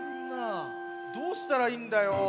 どうしたらいいんだよ。